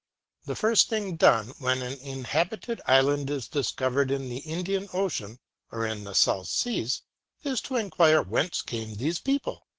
The first thing done when an inhabited island is discovered in the Indian Ocean, or in the South Seas, is to inquire whence came these people?